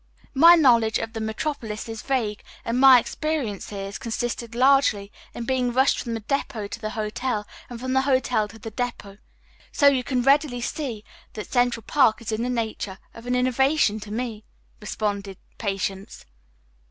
"My knowledge of the metropolis is vague, and my experience here has consisted largely in being rushed from the depot to the hotel, and from the hotel to the depot. So you can readily see that Central Park is in the nature of an innovation, to me," responded Patience.